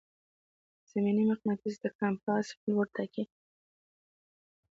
زمیني مقناطیس د کمپاس لوری ټاکي.